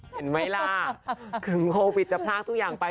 เห็นไหมล่ะถึงโควิดจะพลากทุกอย่างไป